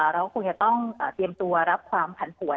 เราคงจะต้องเตรียมตัวรับความผันผวน